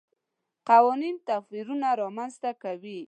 قوانین توپیرونه رامنځته کوي.